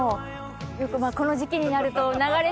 よくこの時期になると流れていた。